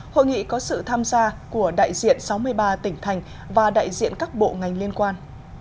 hội nghị có sự tham gia của đại diện sáu mươi ba tỉnh thành và đại diện các bộ ngành liên quan